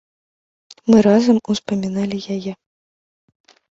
Мы разам успаміналі яе.